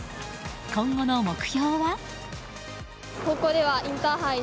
今後の目標は。